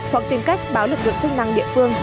hoặc tìm cách báo lực lượng chức năng địa phương